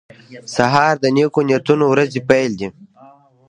سهار د نیکو نیتونو ورځې پیل دی.